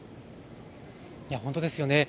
本当ですよね。